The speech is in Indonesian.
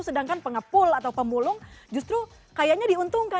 sedangkan pengepul atau pemulung justru kayaknya diuntungkan